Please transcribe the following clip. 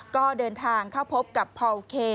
ก็เดินทางเข้าพบกับพอลเค